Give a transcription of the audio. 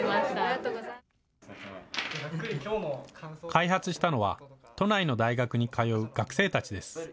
開発したのは都内の大学に通う学生たちです。